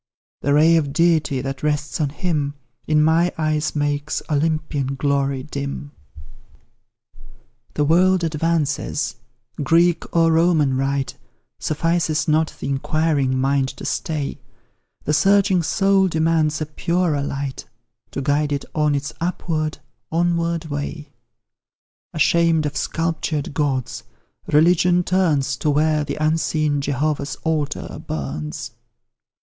The ray of Deity that rests on him, In my eyes makes Olympian glory dim. The world advances; Greek or Roman rite Suffices not the inquiring mind to stay; The searching soul demands a purer light To guide it on its upward, onward way; Ashamed of sculptured gods, Religion turns To where the unseen Jehovah's altar burns.